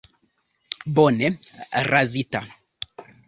Bone razita.